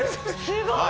すごい。